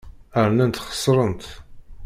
Rnant xesrent.